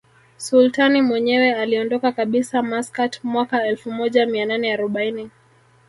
Sultani mwenyewe aliondoka kabisa Maskat mwaka elfu moja mia nane arobaini